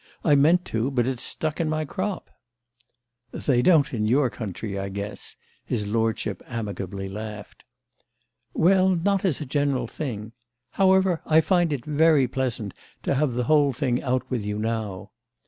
"I meant to; but it stuck in my crop." "They don't in your country, I guess," his lordship amicably laughed. "Well, not as a general thing. However, I find it very pleasant to have the whole thing out with you now."